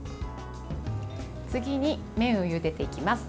次に、麺をゆでていきます。